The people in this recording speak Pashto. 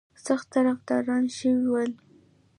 سخت طرفداران شوي ول.